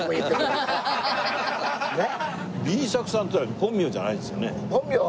Ｂ作さんっていうのは本名じゃないんですよね？